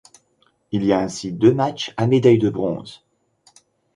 Il y a ainsi deux matchs à médailles de bronze.